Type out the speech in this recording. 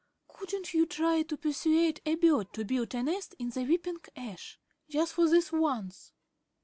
"Couldn't you try to persuade a bird to build a nest in the weeping ash? Just for this once."